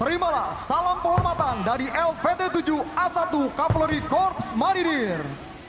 terimalah salam penghormatan dari lvt tujuh a satu cavalry corps marinir